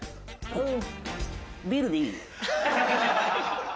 うん。